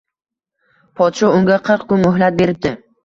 Podsho unga qirq kun muhlat beribdi